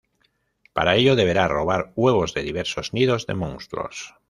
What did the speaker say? Para ello deberá robar huevos de diversos nidos de monstruos.